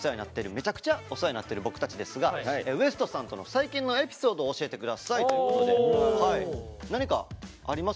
めちゃくちゃお世話になってる僕たちですが「ＷＥＳＴさんとの最近のエピソード教えてください」ということで何かあります？